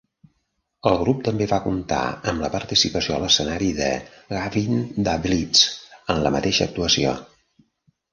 El grup també va comptar amb la participació a l'escenari de Gavin da Blitz en la mateixa actuació.